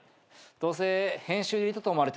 どうせ編集入れたと思われておしまいだよ。